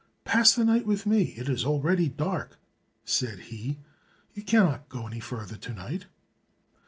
"Pass the night with me, it is already dark," said he; "you cannot go any further to night."